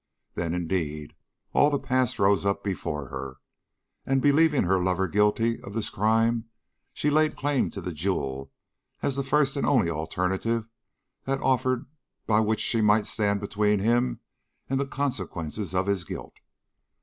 Then, indeed, all the past rose up before her, and, believing her lover guilty of this crime, she laid claim to the jewel as the first and only alternative that offered by which she might stand between him and the consequences of his guilt.